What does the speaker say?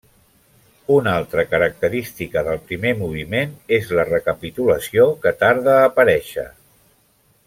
Una altra característica del primer moviment és la recapitulació que tarda a aparèixer.